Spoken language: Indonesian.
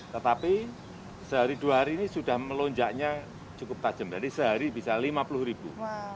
tetapi sehari dua hari ini sudah melonjaknya cukup tajam dari sehari bisa lima puluh ribu